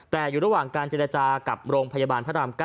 แต่อยู่ระหว่างการเจรจากับโรงพยาบาลพระราม๙